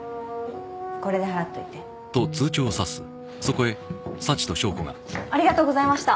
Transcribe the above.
これで払っといてありがとうございました